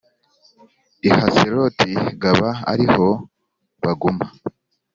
i Haseroti g aba ari ho baguma